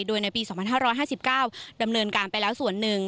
โดยในปี๒๕๕๙ดำเนินการไปแล้วส่วนหนึ่ง